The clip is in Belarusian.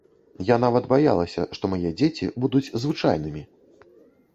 Я нават баялася, што мае дзеці будуць звычайнымі!